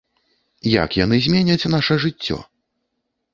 Як яны зменяць наша жыццё?